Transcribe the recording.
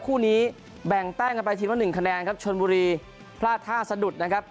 คู่นี้แบ่งแต้มกันไปทีมละหนึ่งคะแนนครับชนบุรีพลาดท่าสะดุดนะครับ